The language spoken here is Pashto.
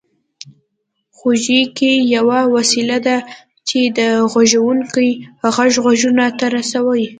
غوږيکې يوه وسيله ده چې د غږوونکي غږ غوږونو ته رسوي